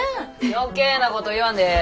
余計なこと言わんでええ。